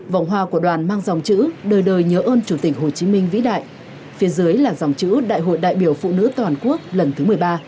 vòng hoa của đoàn mang dòng chữ đời đời nhớ ơn chủ tịch hồ chí minh vĩ đại phía dưới là dòng chữ đại hội đại biểu phụ nữ toàn quốc lần thứ một mươi ba